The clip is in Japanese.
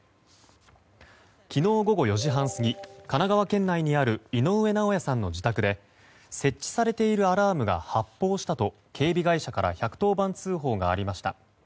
昨日午後４時半過ぎ神奈川県内にある井上尚弥さんの自宅で設置されているアラームが発報したと警備会社から１１０番通報がありました。